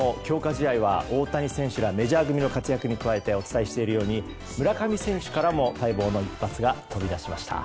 試合は大谷選手らメジャー組の活躍に加えてお伝えしているように村上選手からも待望の一発が飛び出しました。